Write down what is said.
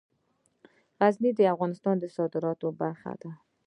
غزني د افغانستان د صادراتو برخه ده.